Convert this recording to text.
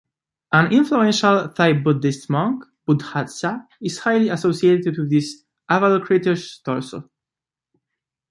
An influential Thai Buddhist monk "Buddhadasa" is highly associated with this Avalokiteshvara torso.